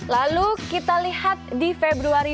lalu kita lihat di februari dua ribu empat belas